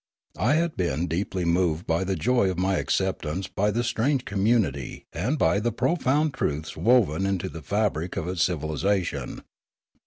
I had been deeply moved by the joy of my acceptance by this strange community and by the profound truths woven into the fabric of its civilisation.